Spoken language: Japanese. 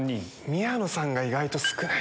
宮野さんが意外と少ない。